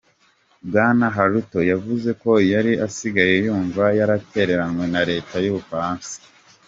Bwana Hulot yavuze ko yari asigaye yumva “yaratereranwe” na leta y’Ubufaransa.